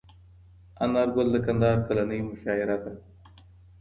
انارګل د کندهار کلنۍ مشاعره ده.